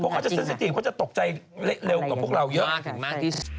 เขาจะเซ็นสิทีฟเขาจะตกใจเร็วกว่าพวกเราเยอะ